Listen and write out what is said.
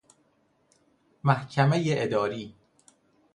محکمۀ اداری